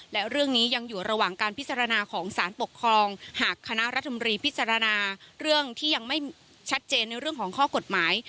และเรื่องนี้ยังอยู่ระหว่างการพิจารณาของสารปกครองหากคณะรัฐมนตรีพิจารณาเรื่องที่ยังไม่ชัดเจนในเรื่องของข้อกฎหมาย